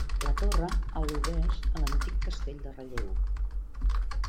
La torre al·ludeix a l'antic castell de Relleu.